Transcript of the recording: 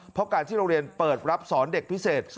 เพราะการที่โรงเรียนเปิดรับสอนเด็กพิเศษ